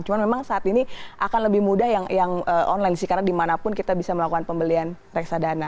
cuma memang saat ini akan lebih mudah yang online sih karena dimanapun kita bisa melakukan pembelian reksadana